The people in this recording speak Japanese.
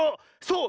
そう！